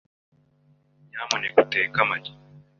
Nyamuneka uteke amagi.